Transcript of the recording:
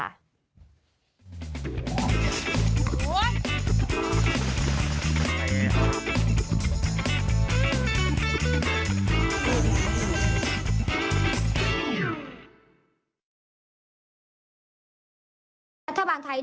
ต่อครบจบที่แน่นอนค่ะ